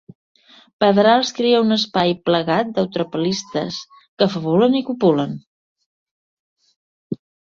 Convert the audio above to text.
Pedrals crea un espai plagat d'eutrapelistes que fabulen i copulen.